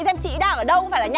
anh phi xe tới đón anh